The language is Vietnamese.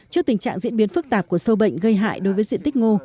trước tình trạng diễn biến phức tạp của sâu bệnh gây hại đối với diện tích ngô